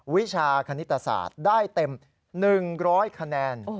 วิชาคณิตศาสตร์ได้เต็ม๑๐๐คะแนน